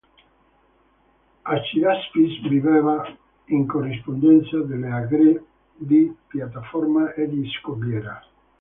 Acidaspis viveva in corrispondenza delle aree di piattaforma e di scogliera.